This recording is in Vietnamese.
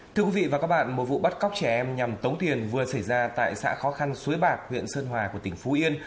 thưa quý vị và các bạn một vụ bắt cóc trẻ em nhằm tống tiền vừa xảy ra tại xã khó khăn suối bạc huyện sơn hòa của tỉnh phú yên